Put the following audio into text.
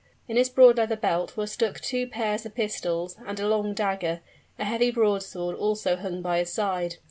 In his broad leather belt were stuck two pairs of pistols, and a long dagger; a heavy broadsword also hung by his side.